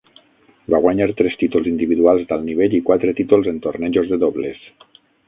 Va guanyar tres títols individuals d'alt nivell i quatre títols en tornejos de dobles.